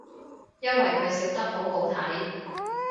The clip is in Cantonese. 因為佢笑得好好睇